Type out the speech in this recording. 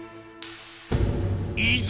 いざ！